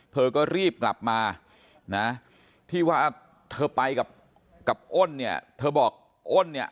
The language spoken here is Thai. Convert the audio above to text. เธอก็รีบกลับมานะที่ว่าเธอไปกับอ้นเนี่ยเธอบอกอ้นเนี่ย